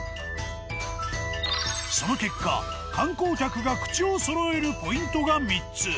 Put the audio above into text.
その結果観光客が口をそろえるポイントが３つ。